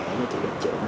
với chị bếp trưởng